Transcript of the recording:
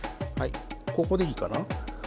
ここでいいかな？